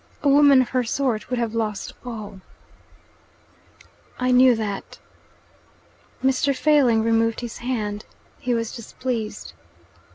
A woman of her sort would have lost all " "I knew that." Mr. Failing removed his hand. He was displeased.